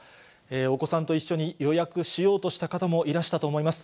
お子さんと一緒に予約しようとした方もいらしたと思います。